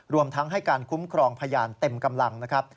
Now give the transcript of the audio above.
รวมทั้งให้การคุ้มครองพยานเต็มกำลังนะครับ